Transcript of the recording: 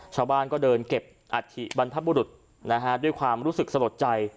ชาวบ้านก็เดินเก็บอัฐิบรรพบุรุษด้วยความรู้สึกสลดใจ